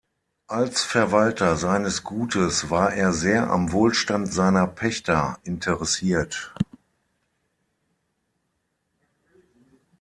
Als Verwalter seines Gutes war er sehr am Wohlstand seiner Pächter interessiert.